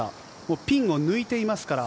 ピンを抜いていますから。